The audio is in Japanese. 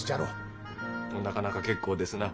なかなか結構ですな。